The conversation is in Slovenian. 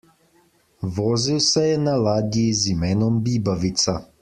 Vozil se je na ladji z imenom Bibavica.